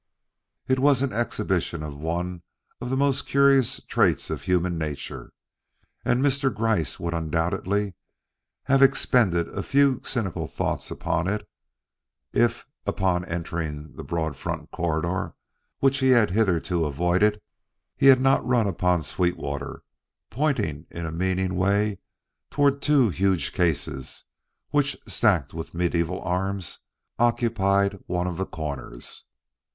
It was an exhibition of one of the most curious traits of human nature, and Mr. Gryce would undoubtedly have expended a few cynical thoughts upon it if, upon entering the broad front corridor which he had hitherto avoided, he had not run upon Sweetwater pointing in a meaning way toward two huge cases which, stacked with medieval arms, occupied one of the corners.